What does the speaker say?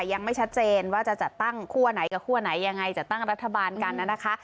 ยังไม่ชัดเจนว่าจะจัดตั้งคั่วไหนกับคั่วไหนยังไงจัดตั้งรัฐบาลกันนะคะ